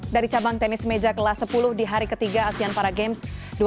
dari cabang tenis meja kelas sepuluh di hari ketiga asean para games dua ribu delapan belas